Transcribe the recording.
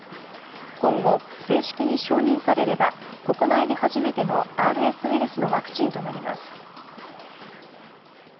今後、正式に承認されれば、国内で初めてのＲＳウイルスのワクチンとなります。